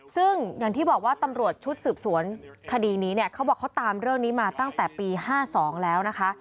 ซึ่งอย่างที่บอกว่าตำรวจชุดสืบสวนคดีนี้เนี่ยเขาบอกเขาตามเรื่องนี้มาตั้งแต่ปี๕๒แล้วนะคะ